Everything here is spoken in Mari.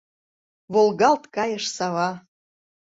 Волгалт кайыш сава!